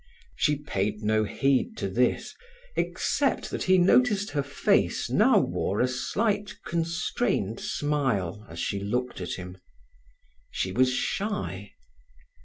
She paid no heed to this, except that he noticed her face now wore a slight constrained smile as she looked at him. She was shy.